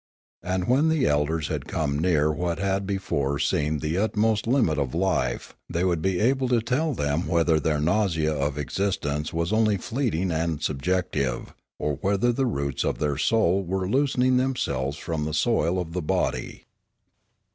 And when the elders had come near what had before seemed the utmost limit of life, they would be able to tell them whether their nausea of existence was only fleeting and subjective, or whether the roots of their soul were loosening themselves from the soil of the body.